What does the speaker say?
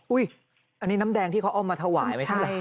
อุ้ยอันนี้น้ำแดงที่เค้าเอามาถวายไหมใช่ไหม